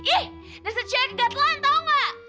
ih dasar cewek gatelan tau nggak